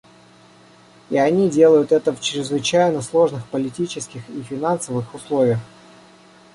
И они делают это в чрезвычайно сложных политических и финансовых условиях.